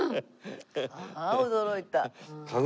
ああ驚いた。